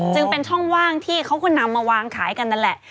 จึงเป็นช่องว่างที่เขาก็นำมาวางขายกันนั่นแหละ